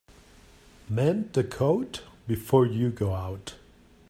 Mend the coat before you go out.